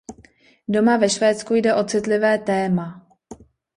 Doma ve Švédsku jde o citlivé téma.